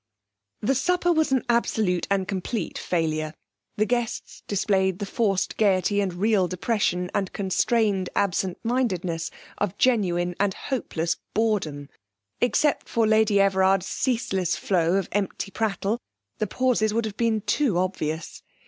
The supper was an absolute and complete failure; the guests displayed the forced gaiety and real depression, and constrained absentmindedness, of genuine and hopeless boredom. Except for Lady Everard's ceaseless flow of empty prattle the pauses would have been too obvious.